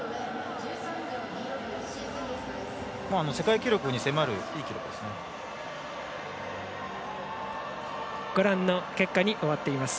世界記録に迫るいい記録です。